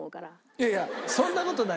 いやいやそんな事ない。